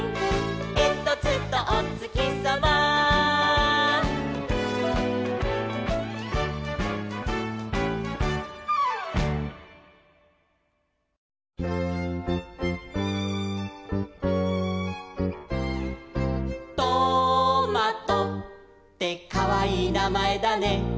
「えんとつとおつきさま」「トマトってかわいいなまえだね」